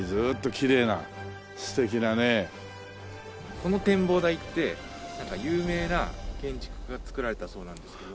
この展望台ってなんか有名な建築家が造られたそうなんですけど。